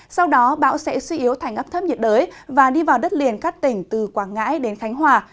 sau đó bão sẽ suy yếu thành ấp thấp nhiệt đới và đi vào đất liền các tỉnh từ quảng ngãi đến khánh hòa